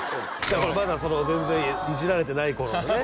まだ全然いじられてない頃のね